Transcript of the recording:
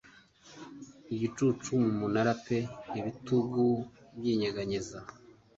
Igicucu mu munara pe ibitugu byinyeganyeza